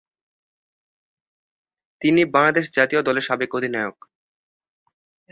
তিনি বাংলাদেশ জাতীয় দলের সাবেক অধিনায়ক।